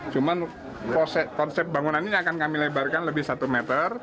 cuman konsep bangunannya akan kami lebarkan lebih satu meter